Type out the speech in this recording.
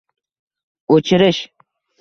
o’chirish